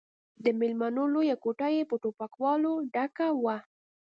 د ميلمنو لويه کوټه يې په ټوپکوالو ډکه وه.